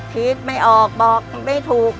คิดไม่ออกบอกไม่ถูก